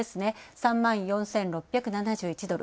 ３万４６７１ドル。